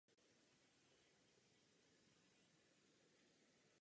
Vladimir Putin byl ostře kritizován Západem za válku v Čečensku.